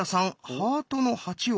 「ハートの８」を。